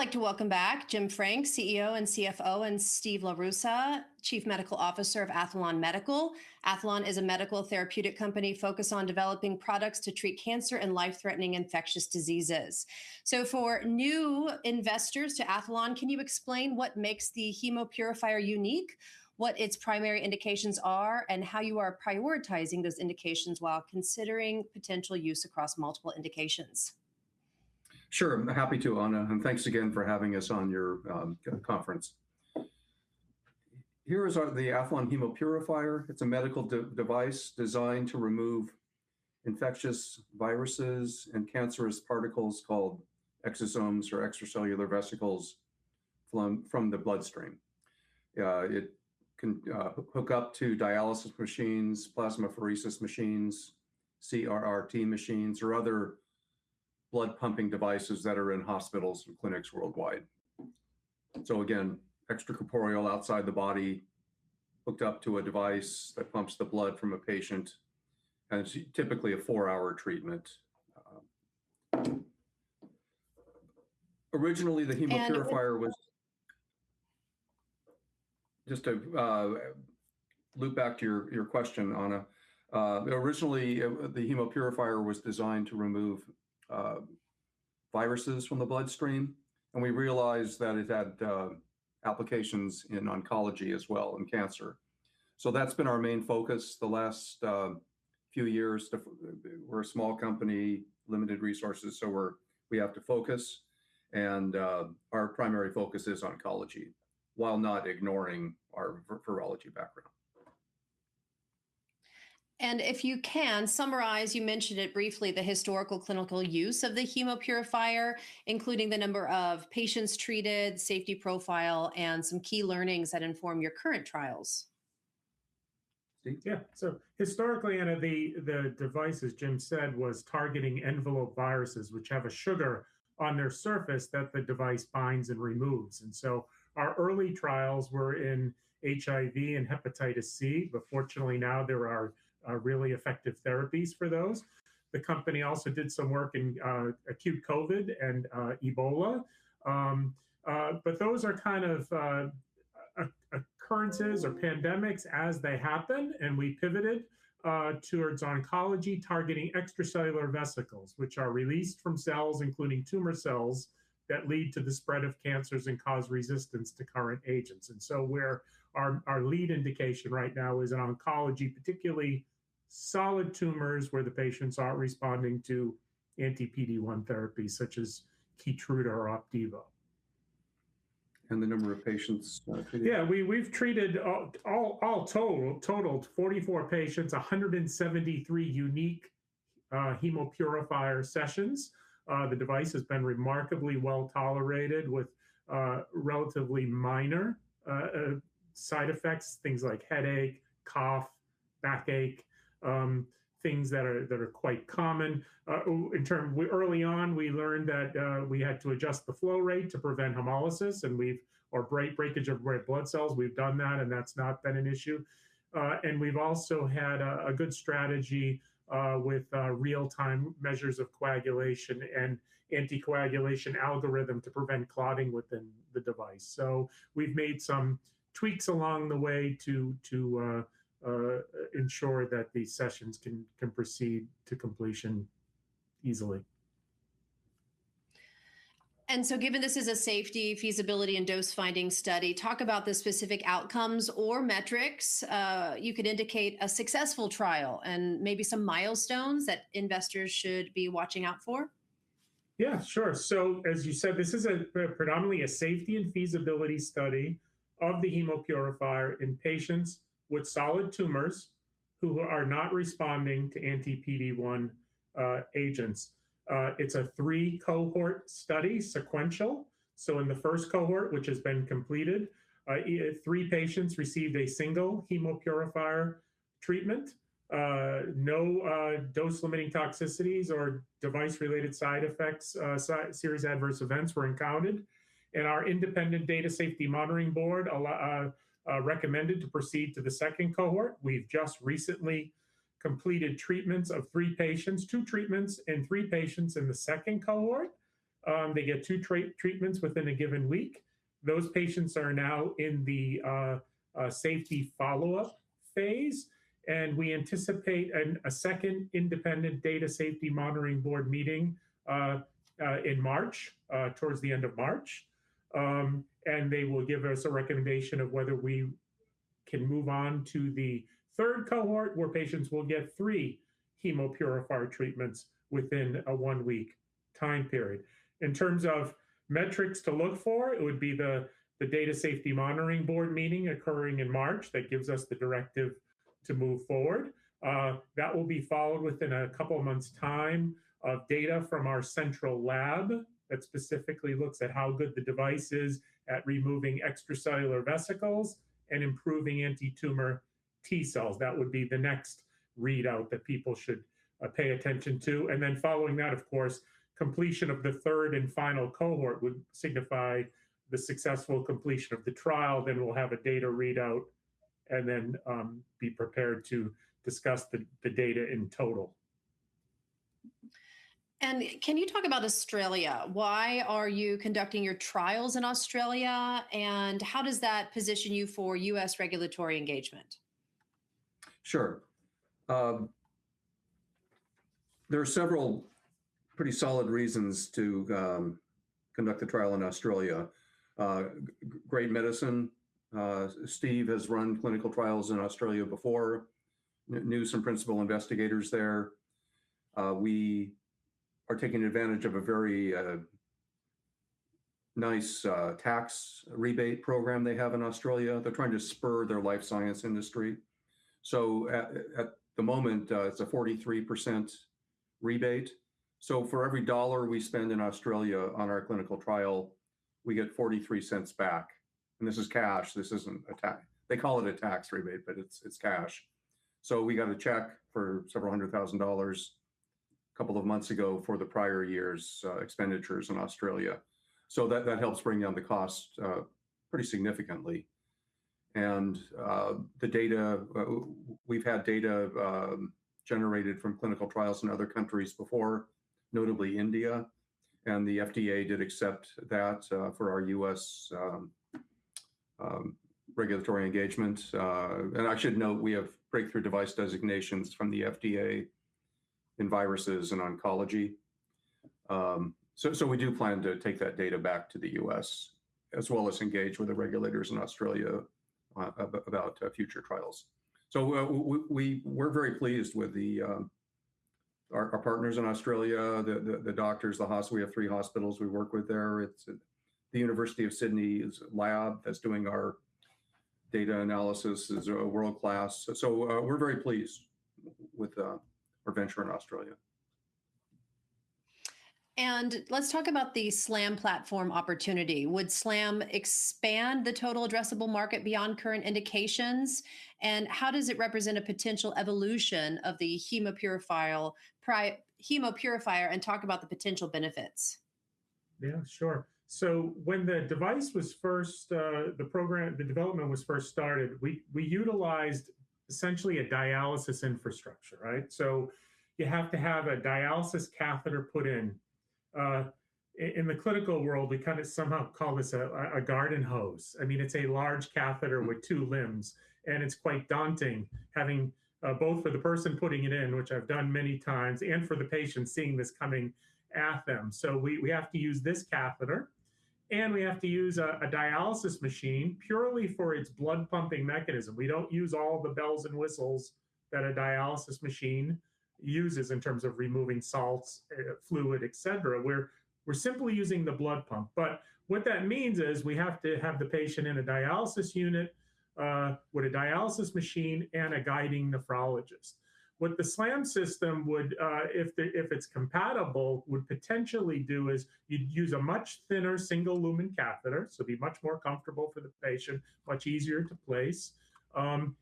I'd like to welcome back James B. Frakes, CEO and CFO, and Steven LaRosa, Chief Medical Officer of Aethlon Medical. Aethlon is a medical therapeutic company focused on developing products to treat cancer and life-threatening infectious diseases. For new investors to Aethlon, can you explain what makes the Hemopurifier unique, what its primary indications are, and how you are prioritizing those indications while considering potential use across multiple indications? Sure, I'm happy to, Anna. Thanks again for having us on your conference. Here is the Aethlon Hemopurifier. It's a medical device designed to remove infectious viruses and cancerous particles called exosomes or extracellular vesicles flung from the bloodstream. It can hook up to dialysis machines, plasmapheresis machines, CRRT machines, or other blood-pumping devices that are in hospitals and clinics worldwide. Again, extracorporeal outside the body, hooked up to a device that pumps the blood from a patient, and it's typically a 4-hour treatment. Originally, the Hemopurifier. And- Just to loop back to your question, Anna. Originally, the Hemopurifier was designed to remove viruses from the bloodstream, and we realized that it had applications in oncology as well, in cancer. That's been our main focus the last few years. We're a small company, limited resources, so we have to focus, and our primary focus is oncology, while not ignoring our virology background. If you can summarize, you mentioned it briefly, the historical clinical use of the Hemopurifier, including the number of patients treated, safety profile, and some key learnings that inform your current trials. Yeah. Historically, Anna, the device, as Jim said, was targeting enveloped viruses, which have a sugar on their surface that the device binds and removes. Our early trials were in HIV and Hepatitis C. Fortunately now there are really effective therapies for those. The company also did some work in acute COVID and Ebola. Those are kind of occurrences or pandemics as they happen, and we pivoted towards oncology, targeting extracellular vesicles, which are released from cells, including tumor cells, that lead to the spread of cancers and cause resistance to current agents. Where our lead indication right now is in oncology, particularly solid tumors, where the patients aren't responding to anti-PD-1 therapy, such as Keytruda or Opdivo. The number of patients, treated? We've treated all total, totaled 44 patients, 173 unique Hemopurifier sessions. The device has been remarkably well-tolerated with relatively minor side effects, things like headache, cough, backache, things that are quite common. Early on, we learned that we had to adjust the flow rate to prevent hemolysis, or breakage of red blood cells. We've done that, and that's not been an issue. We've also had a good strategy with real-time measures of coagulation and anticoagulation algorithm to prevent clotting within the device. We've made some tweaks along the way to ensure that these sessions can proceed to completion easily. Given this is a safety, feasibility, and dose-finding study, talk about the specific outcomes or metrics, you could indicate a successful trial and maybe some milestones that investors should be watching out for. Yeah, sure. As you said, this is a predominantly a safety and feasibility study of the Hemopurifier in patients with solid tumors who are not responding to anti-PD-1 agents. It's a 3-cohort study, sequential. In the first cohort, which has been completed, 3 patients received a single Hemopurifier treatment. No dose-limiting toxicities or device-related side effects, serious adverse events were encountered, and our independent Data Safety Monitoring Board recommended to proceed to the second cohort. We've just recently completed treatments of 3 patients, 2 treatments and 3 patients in the second cohort. They get 2 treatments within a given week. Those patients are now in the safety follow-up phase, and we anticipate a second independent Data Safety Monitoring Board meeting in March towards the end of March. They will give us a recommendation of whether we can move on to the third cohort, where patients will get three Hemopurifier treatments within a 1-week time period. In terms of metrics to look for, it would be the Data Safety Monitoring Board meeting occurring in March that gives us the directive to move forward. That will be followed within 2 months' time of data from our central lab that specifically looks at how good the device is at removing extracellular vesicles and improving anti-tumor T cells. That would be the next readout that people should pay attention to. Following that, of course, completion of the third and final cohort would signify the successful completion of the trial. We'll have a data readout and then be prepared to discuss the data in total. Can you talk about Australia? Why are you conducting your trials in Australia, and how does that position you for US regulatory engagement? veral pretty solid reasons to conduct the trial in Australia. Great medicine. Steve has run clinical trials in Australia before. Knew some principal investigators there. We are taking advantage of a very nice tax rebate program they have in Australia. They're trying to spur their life science industry. At the moment, it's a 43% rebate. For every dollar we spend in Australia on our clinical trial, we get 43 cents back, and this is cash. This isn't a tax. They call it a tax rebate, but it's cash. We got a check for several hundred thousand dollars a couple of months ago for the prior year's expenditures in Australia. That helps bring down the cost pretty significantly The data we've had data generated from clinical trials in other countries before, notably India, and the FDA did accept that for our U.S. regulatory engagements. I should note, we have Breakthrough Device designations from the FDA in viruses and oncology. So we do plan to take that data back to the U.S., as well as engage with the regulators in Australia about future trials. We're very pleased with the our partners in Australia, the doctors, the We have three hospitals we work with there. It's the University of Sydney's lab that's doing our data analysis is world-class. We're very pleased with our venture in Australia. Let's talk about the SLAM platform opportunity. Would SLAM expand the total addressable market beyond current indications, and how does it represent a potential evolution of the Hemopurifier, and talk about the potential benefits? Yeah, sure. When the device was first, the program, the development was first started, we utilized essentially a dialysis infrastructure, right? You have to have a dialysis catheter put in. In the clinical world, we kind of somehow call this a garden hose. I mean, it's a large catheter with two limbs, and it's quite daunting having both for the person putting it in, which I've done many times, and for the patient seeing this coming at them. We have to use this catheter, and we have to use a dialysis machine purely for its blood pumping mechanism. We don't use all the bells and whistles that a dialysis machine uses in terms of removing salts, fluid, et cetera. We're simply using the blood pump. What that means is, we have to have the patient in a dialysis unit, with a dialysis machine and a guiding nephrologist. What the SLAM system would, if it, if it's compatible, would potentially do is you'd use a much thinner single-lumen catheter, so it'd be much more comfortable for the patient, much easier to place, and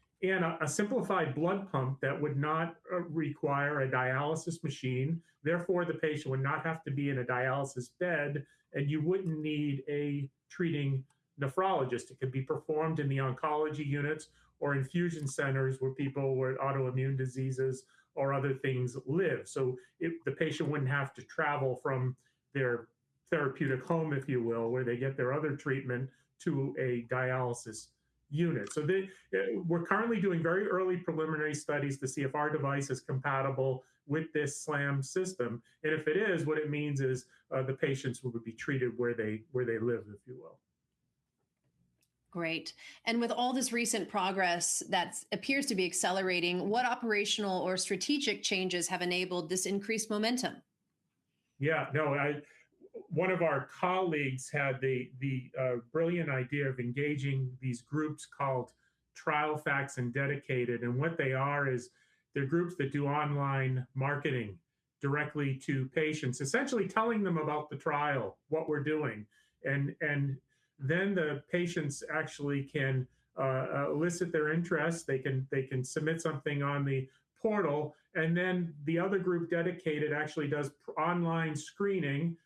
a simplified blood pump that would not require a dialysis machine. Therefore, the patient would not have to be in a dialysis bed, and you wouldn't need a treating nephrologist. It could be performed in the oncology units or infusion centers, where people with autoimmune diseases or other things live. If the patient wouldn't have to travel from their therapeutic home, if you will, where they get their other treatment, to a dialysis unit. We're currently doing very early preliminary studies to see if our device is compatible with this SLAM system, and if it is, what it means is, the patients will be treated where they live, if you will. Great. With all this recent progress that's appears to be accelerating, what operational or strategic changes have enabled this increased momentum? Yeah, no, I... One of our colleagues had the brilliant idea of engaging these groups called Trialfacts and Dedicated. What they are is, they're groups that do online marketing directly to patients, essentially telling them about the trial, what we're doing, and then the patients actually can elicit their interest. They can submit something on the portal, and then the other group, Dedicated, actually does online screening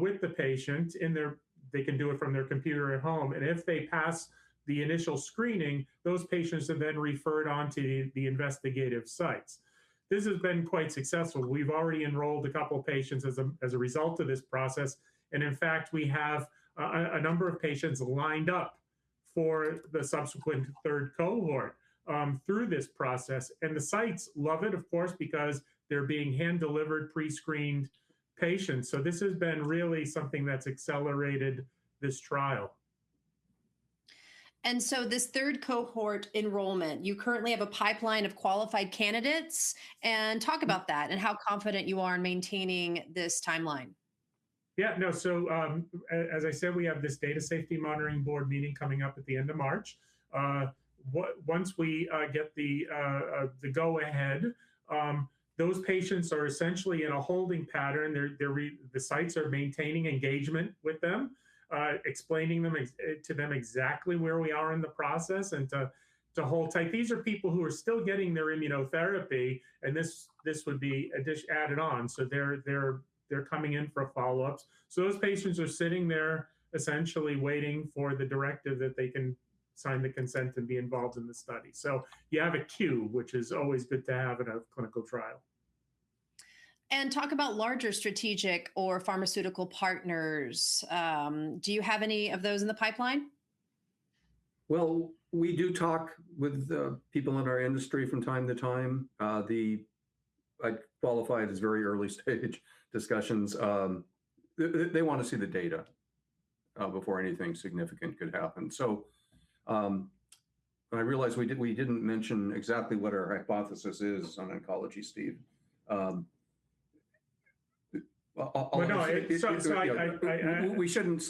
with the patient in their. They can do it from their computer at home. If they pass the initial screening, those patients are then referred on to the investigative sites. This has been quite successful. We've already enrolled a couple patients as a result of this process, and in fact, we have a number of patients lined up for the subsequent third cohort through this process. The sites love it, of course, because they're being hand-delivered pre-screened patients. This has been really something that's accelerated this trial. This third cohort enrollment, you currently have a pipeline of qualified candidates? Talk about that and how confident you are in maintaining this timeline. Yeah, no. As I said, we have this Data Safety Monitoring Board meeting coming up at the end of March. Once we get the go ahead, those patients are essentially in a holding pattern. The sites are maintaining engagement with them, explaining to them exactly where we are in the process and to hold tight. These are people who are still getting their immunotherapy, and this would be a dish added on, so they're coming in for follow-ups. Those patients are sitting there, essentially waiting for the directive that they can sign the consent and be involved in the study. You have a queue, which is always good to have in a clinical trial. Talk about larger strategic or pharmaceutical partners. Do you have any of those in the pipeline? Well, we do talk with the people in our industry from time to time. The, I'd qualify it as very early stage discussions. They wanna see the data, before anything significant could happen. I realize we did, we didn't mention exactly what our hypothesis is on oncology, Steve. Well. No, I. We shouldn't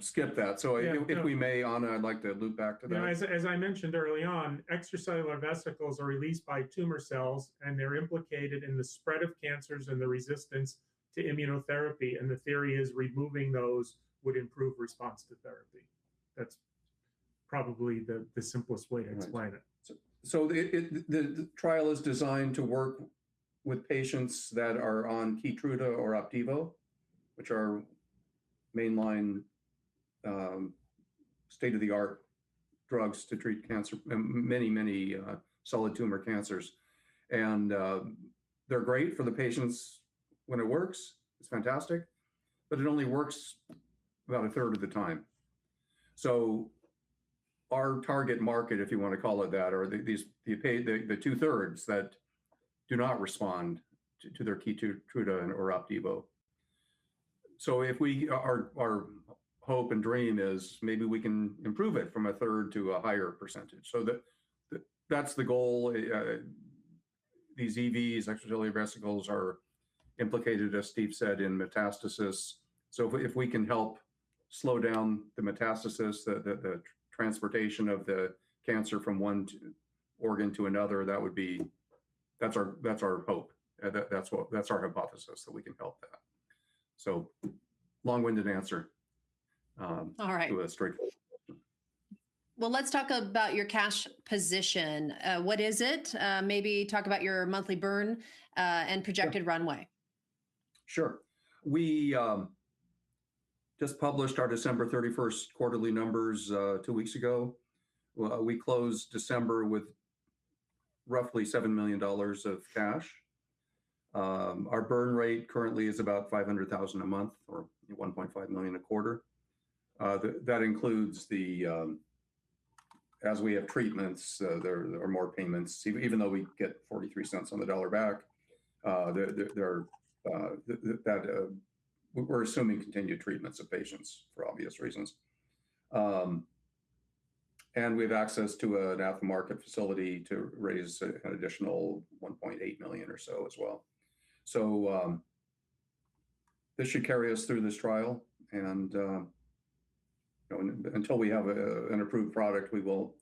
skip that. Yeah. if we may, Anna, I'd like to loop back to that. No, as I mentioned early on, extracellular vesicles are released by tumor cells, and they're implicated in the spread of cancers and the resistance to immunotherapy, and the theory is removing those would improve response to therapy. That's probably the simplest way to explain it. Right. The trial is designed to work with patients that are on Keytruda or Opdivo, which are mainline, state-of-the-art drugs to treat cancer and many solid tumor cancers. They're great for the patients. When it works, it's fantastic, it only works about a third of the time. Our target market, if you wanna call it that, are the two-thirds that do not respond to their Keytruda and/or Opdivo. Our hope and dream is maybe we can improve it from a third to a higher percentage, so that's the goal. These EVs, extracellular vesicles, are implicated, as Steve said, in metastasis. If we can help slow down the metastasis, the transportation of the cancer from one to organ to another, That's our hope, and that's what, that's our hypothesis, that we can help that. Long-winded answer. All right. to a straightforward question. Well, let's talk about your cash position. What is it? Maybe talk about your monthly burn, and projected runway. Sure. We just published our December 31st quarterly numbers, two weeks ago. We closed December with roughly $7 million of cash. Our burn rate currently is about $500,000 a month or $1.5 million a quarter. That includes the, as we have treatments, there are. We're assuming continued treatments of patients, for obvious reasons. Even though we get 43 cents on the dollar back, we're assuming continued treatments of patients, for obvious reasons. And we have access to an at-the-market offering to raise an additional $1.8 million or so as well. This should carry us through this trial, and, you know, until we have an approved product, we will,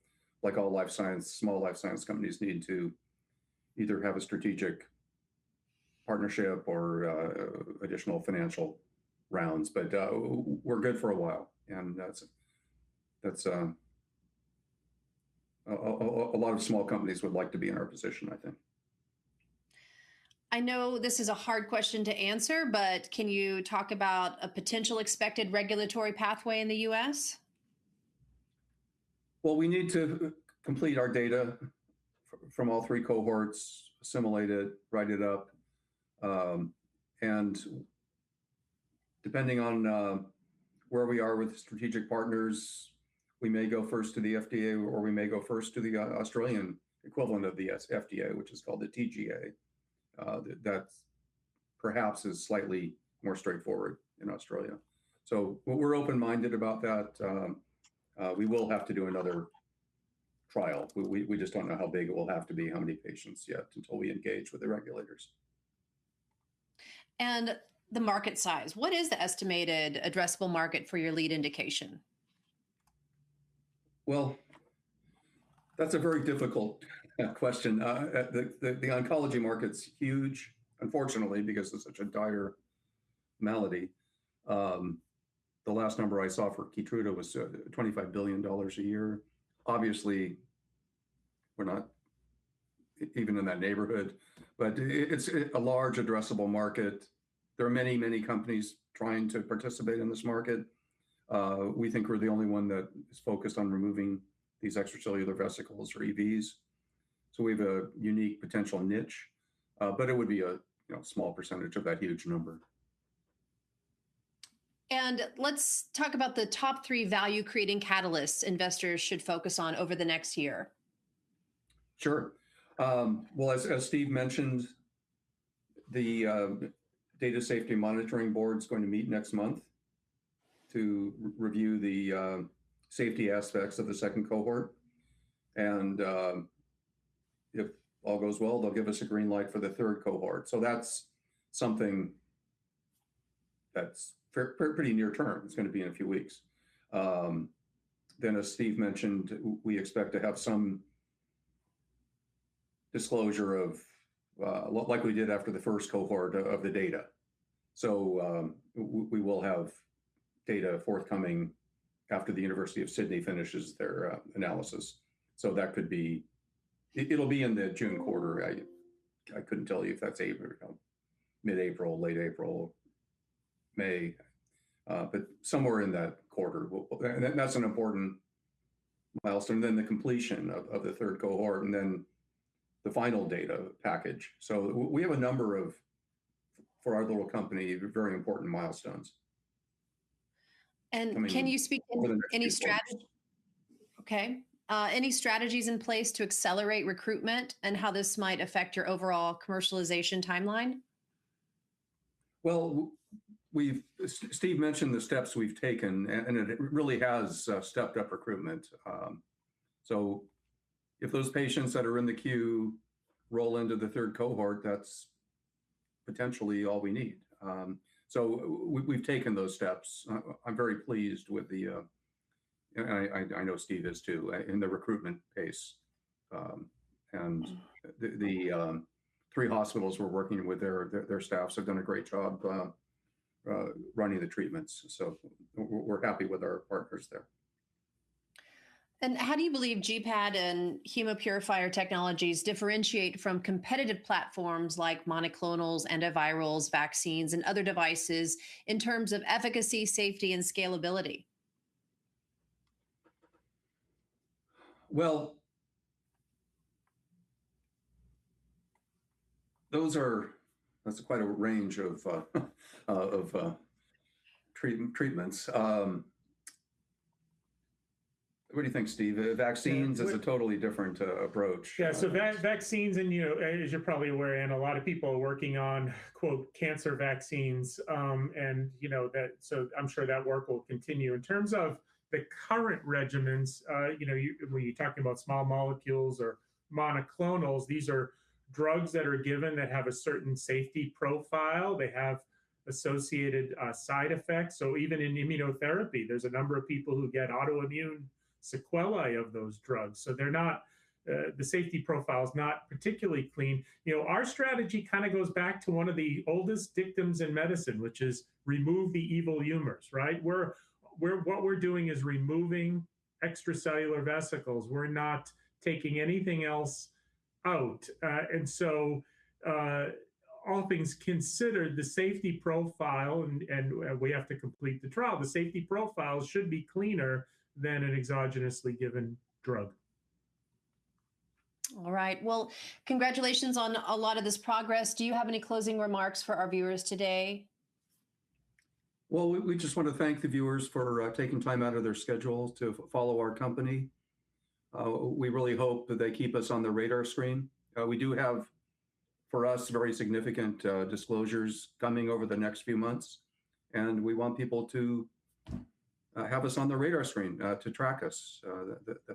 like all life science, small life science companies, need to either have a strategic partnership or additional financial rounds. We're good for a while, and that's. A lot of small companies would like to be in our position, I think. I know this is a hard question to answer, can you talk about a potential expected regulatory pathway in the U.S.? Well, we need to complete our data from all three cohorts, assimilate it, write it up. Depending on where we are with strategic partners, we may go first to the FDA, or we may go first to the Australian equivalent of the FDA, which is called the TGA. That perhaps is slightly more straightforward in Australia. We're open-minded about that. We will have to do another trial. We just don't know how big it will have to be, how many patients yet, until we engage with the regulators. The market size, what is the estimated addressable market for your lead indication? That's a very difficult question. The oncology market's huge, unfortunately, because it's such a dire malady. The last number I saw for Keytruda was $25 billion a year. Obviously, we're not even in that neighborhood, but it's a large addressable market. There are many, many companies trying to participate in this market. We think we're the only one that is focused on removing these extracellular vesicles or EVs, so we have a unique potential niche, but it would be a, you know, small percentage of that huge number. Let's talk about the top three value-creating catalysts investors should focus on over the next year. Sure. Well, as Steve mentioned, the Data Safety Monitoring Board is going to meet next month to review the safety aspects of the 2nd cohort. If all goes well, they'll give us a green light for the 3rd cohort. That's something that's pretty near term. It's gonna be in a few weeks. As Steve mentioned, we expect to have some disclosure of, like we did after the 1st cohort, of the data. We will have data forthcoming after The University of Sydney finishes their analysis. That could be... It'll be in the June quarter. I couldn't tell you if that's April, mid-April, late April, May, but somewhere in that quarter. That's an important... milestone, then the completion of the third cohort, and then the final data package. We have a number of, for our little company, very important milestones. Can you speak? I mean, over the next few months. Any strategy? Okay, any strategies in place to accelerate recruitment, and how this might affect your overall commercialization timeline? Well, we've. Steve mentioned the steps we've taken, and it really has stepped up recruitment. If those patients that are in the queue roll into the third cohort, that's potentially all we need. We've taken those steps. I'm very pleased with the and I know Steve is, too, in the recruitment pace. And the 3 hospitals we're working with, their staffs have done a great job running the treatments, so we're happy with our partners there. How do you believe Gapadent and Hemopurifier technologies differentiate from competitive platforms like monoclonals, antivirals, vaccines, and other devices in terms of efficacy, safety, and scalability? Well, that's quite a range of treatments. What do you think, Steve? vaccines. Yeah. is a totally different approach. Vaccines, and, you know, as you're probably aware, and a lot of people are working on, quote, "cancer vaccines," you know, I'm sure that work will continue. In terms of the current regimens, you know, when you're talking about small molecules or monoclonals, these are drugs that are given that have a certain safety profile. They have associated side effects. Even in immunotherapy, there's a number of people who get autoimmune sequelae of those drugs, so they're not, the safety profile is not particularly clean. You know, our strategy kind of goes back to one of the oldest victims in medicine, which is remove the evil humors, right? What we're doing is removing extracellular vesicles. We're not taking anything else out. All things considered, the safety profile, and we have to complete the trial, the safety profile should be cleaner than an exogenously given drug. All right. Well, congratulations on a lot of this progress. Do you have any closing remarks for our viewers today? Well, we just want to thank the viewers for taking time out of their schedules to follow our company. We really hope that they keep us on the radar screen. We do have, for us, very significant disclosures coming over the next few months, and we want people to have us on the radar screen to track us.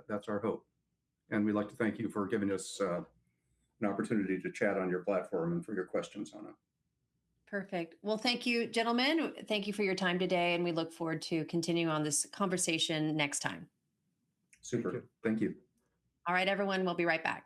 That's our hope, and we'd like to thank you for giving us an opportunity to chat on your platform and for your questions on it. Perfect. Well, thank you, gentlemen. Thank you for your time today, and we look forward to continuing on this conversation next time. Super. Thank you. All right, everyone, we'll be right back.